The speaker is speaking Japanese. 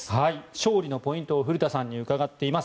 勝利のポイントを古田さんに伺っています。